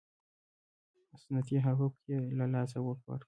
سنتي حقوق یې له لاسه ورکړل.